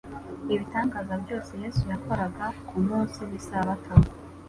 Ibitangaza byose Yesu yakoraga ku munsi w'isabato,